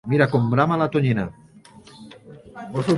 Mira com brama la tonyina!